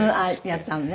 やったのね。